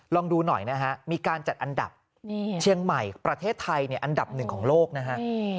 ลองดูหน่อยนะฮะมีการจัดอันดับเชียงใหม่ประเทศไทยอันดับหนึ่งของโลกนะฮะ